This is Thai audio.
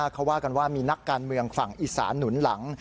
เขาว่ากันว่ามีนักการเมืองฝั่งอีสานหนุนหลัง